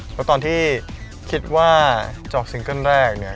เพราะตอนที่คิดว่าจบซิงเกิ้ลแรกเนี่ย